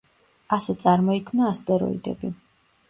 ასე წარმოიქმნა ასტეროიდები.